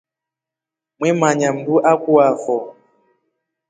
Mwemanya mndu akuafo.